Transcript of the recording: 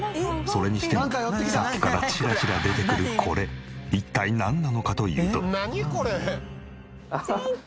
それにしてもさっきからチラチラ出てくるこれ一体なんなのかというと。